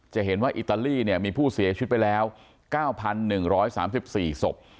จะเห็นว่าอิตาลีมีผู้เสียชีวิตไปแล้ว๙๑๓๔ศพ